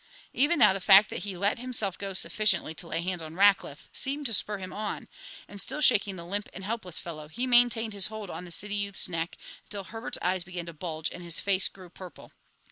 Even now the fact that he let himself go sufficiently to lay hands on Rackliff seemed to spur him on, and, still shaking the limp and helpless fellow, he maintained his hold on the city youth's neck until Herbert's eyes began to bulge and his face grew purple.